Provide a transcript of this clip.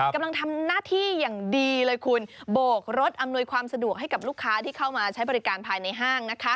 กำลังทำหน้าที่อย่างดีเลยคุณโบกรถอำนวยความสะดวกให้กับลูกค้าที่เข้ามาใช้บริการภายในห้าง